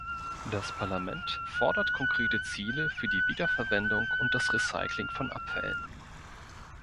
Das Parlament fordert konkrete Ziele für die Wiederverwendung und das Recycling von Abfällen.